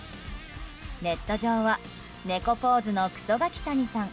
ネット上は猫ポーズのクソガキ谷さん